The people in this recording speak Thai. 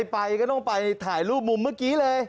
ไปก็ต้องไปถ่ายรูปมุมเมื่อกี้เลย